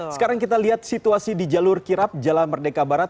sekarang kita lihat situasi di jalur kirap jalan merdeka barat